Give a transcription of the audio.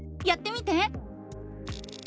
やってみて！